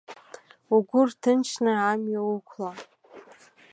Угәы рҭынчны, амҩа уқәла.